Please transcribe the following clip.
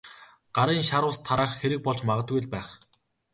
Гарын шар ус тараах хэрэг болж магадгүй л байх.